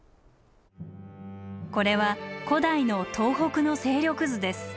これは古代の東北の勢力図です。